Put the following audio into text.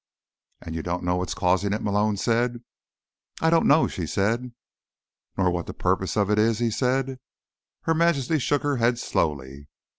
"And you don't know what's causing it?" Malone said. "I don't know," she said. "Nor what the purpose of it is?" he said. Her Majesty shook her head slowly.